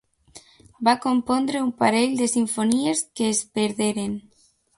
Va compondre un parell de simfonies que es perderen.